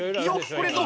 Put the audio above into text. これぞ！